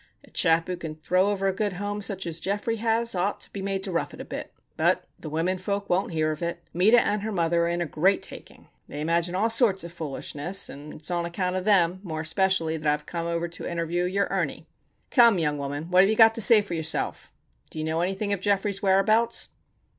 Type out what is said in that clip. A chap who can throw over a good home such as Geoffrey has, ought to be made to rough it a bit. But the women folk won't hear of it. Meta and her mother are in a great taking. They imagine all sorts of foolishness, and it's on account of them, more especially, that I have come over to interview your Ernie. Come, young woman! What have you got to say for yourself? Do you know anything of Geoffrey's whereabouts?"